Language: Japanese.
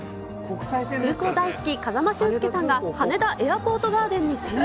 空港大好き、風間俊介さんが、羽田エアポートガーデンに潜入。